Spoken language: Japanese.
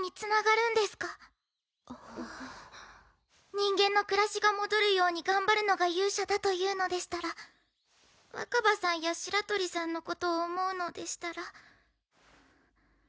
人間の暮らしが戻るように頑張るのが勇者だというのでしたら若葉さんや白鳥さんのことを思うのでしたら。